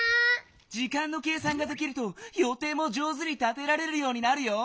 時間の計算ができるとよていも上手に立てられるようになるよ。